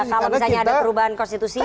tidak ada perubahan konstitusi